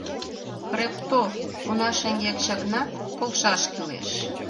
— Хребтов, уна шеҥгек чакнат, полшаш кӱлеш!